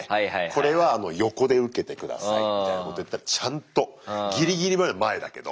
これは横で受けて下さいみたいなこと言ったらちゃんとギリギリまで前だけど。